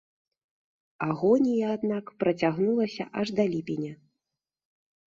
Агонія аднак працягнулася аж да ліпеня.